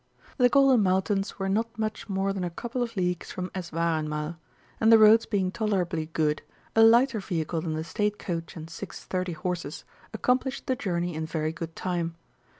The Golden Mountains were not much more than a couple of leagues from Eswareinmal, and the roads being tolerably good, a lighter vehicle than the State Coach and six sturdy horses accomplished the journey in very good time.